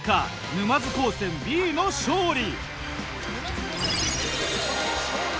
沼津高専Ｂの勝利。